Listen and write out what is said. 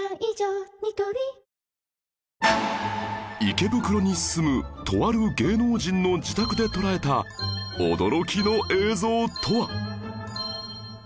池袋に住むとある芸能人の自宅で捉えた驚きの映像とは？